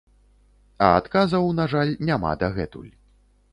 А адказаў, на жаль, няма дагэтуль.